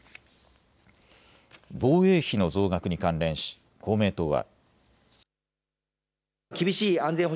防衛費の増額に関連し公明党は。